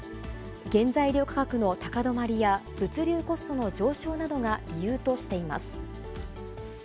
原材料価格の高止まりや物流コストの上昇などが理由としています。